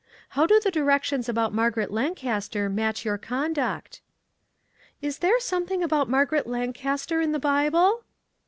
How do the directions about Margaret Lancaster match your conduct ?"" Is there something about Margaret Lan caster in the Bible